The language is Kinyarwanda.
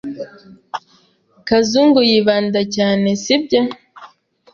Kazungu yibanda cyane, sibyo?